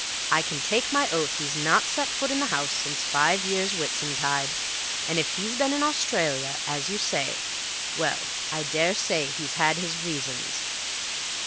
I can take my oath he's not set foot in the house since five years Whitsuntide. And if he's been in Australia, as you say, well, I daresay he's had his reasons."